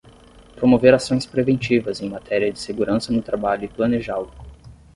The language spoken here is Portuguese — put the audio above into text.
Promover ações preventivas em matéria de segurança no trabalho e planejá-lo.